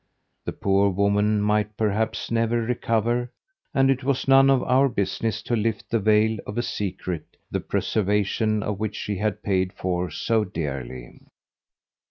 The poor woman might, perhaps, never recover, and it was none of our business to lift the veil of a secret the preservation of which she had paid for so dearly.